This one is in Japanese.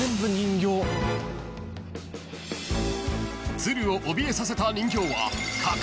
［都留をおびえさせた人形は］